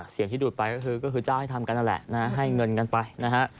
ที่ดูดไปก็คือจ้างให้ทำกันนั่นแหละนะฮะให้เงินกันไปนะฮะ